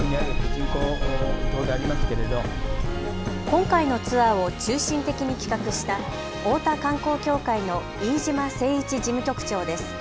今回のツアーを中心的に企画した大田観光協会の飯嶋清市事務局長です。